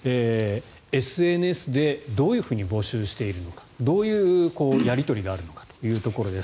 ＳＮＳで、どういうふうに募集しているのかどういうやり取りがあるのかというところです。